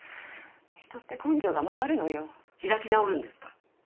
人って根性が曲がるのよ開き直るんですか？